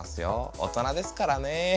大人ですからね。